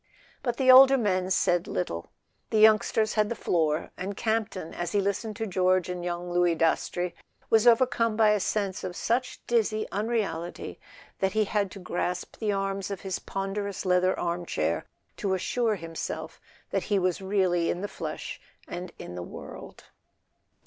But the older men said little. The youngsters had the floor, and Campton, as he listened to George and young Louis Dastrey, was overcome by a sense of such dizzy unreality that he had to grasp the arms of his ponderous leather armchair to assure himself that he was really in the flesh and in the world.